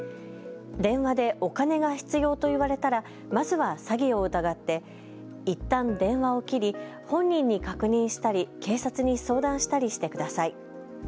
電話でお金が必要と言われたらまずは詐欺を疑って、いったん電話を切り本人に確認したり警察に相談したりしてください。